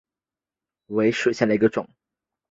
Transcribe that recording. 川滇槲蕨为槲蕨科槲蕨属下的一个种。